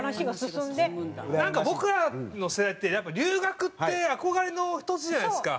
なんか僕らの世代ってやっぱ留学って憧れの年じゃないですか。